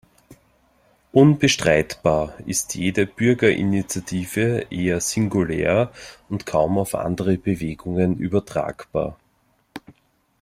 Unbestreitbar ist jede Bürgerinitiative eher singulär und kaum auf andere Bewegungen übertragbar.